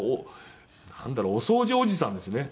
なんだろうお掃除おじさんですね。